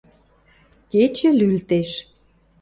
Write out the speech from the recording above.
Кечӹ лӱлтеш.